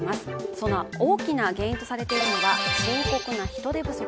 その大きな原因とされているのが深刻な人手不足。